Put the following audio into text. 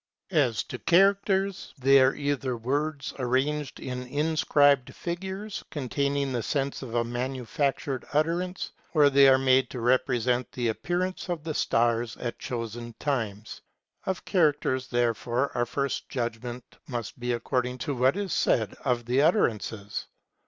As to characters, they are either words arranged in inscribed figures, containing the sense of a manufactured utterance, or they are made to represent the appearance of the stars at chosen times. Of characters, therefore, our first judgment must be according to what is said of the utterances.